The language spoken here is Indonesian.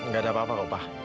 gak ada apa apa pak